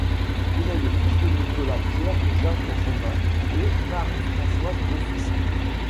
Il est le fils de Nicolas-Pierre-Jaques Romain et Marie Françoise Beaufils.